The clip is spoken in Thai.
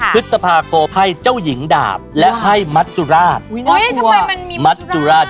พฤษภาคมให้เจ้าหญิงดาบและให้มัสจุรากแต่เป็นใครมันมี